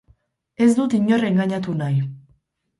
Ez dut inor engainatu nahi.